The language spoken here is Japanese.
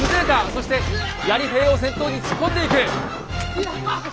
そしてやり兵を先頭に突っ込んでいく。